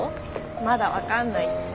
まだ分かんないって。